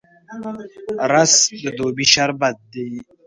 رس د دوبي شربت دی